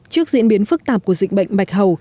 trước diễn biến phức tạp của dịch bệnh bạch hầu